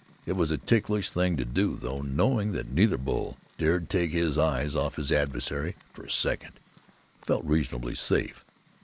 It was a ticklish thing to do, though knowing that neither bull dared take his eyes off his adversary for a second, I felt reasonably safe.